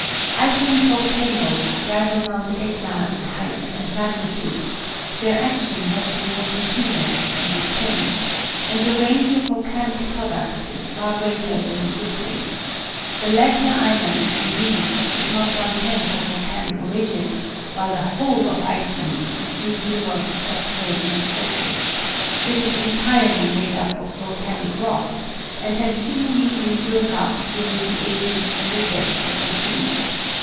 Iceland's volcanoes rival Mount Aetna in height and magnitude, their action has been more continuous and intense, and the range of volcanic products is far greater than in Sicily. The latter island, indeed, is not one tenth of volcanic origin, while the whole of Iceland is due to the work of subterranean forces. It is entirely made up of volcanic rocks, and has seemingly been built up during the ages from the depths of the seas.